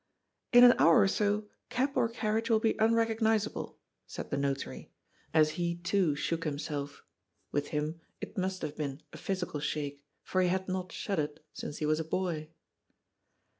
*'In an hour or so cab or carriage will be unrecog nisable," said the Notary, as he too shook himself — ^with him it must have been a physical shake, for he had not shuddered since he was a boy.